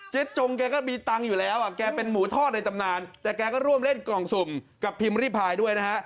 จงแกก็มีตังค์อยู่แล้วแกเป็นหมูทอดในตำนานแต่แกก็ร่วมเล่นกล่องสุ่มกับพิมพ์ริพายด้วยนะฮะ